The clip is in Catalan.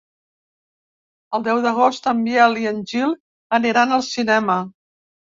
El deu d'agost en Biel i en Gil aniran al cinema.